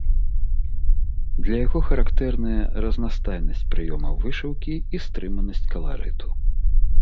Для яго характэрны разнастайнасць прыёмаў вышыўкі і стрыманасць каларыту.